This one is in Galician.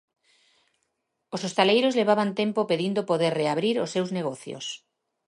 Os hostaleiros levaban tempo pedindo poder reabrir os seus negocios.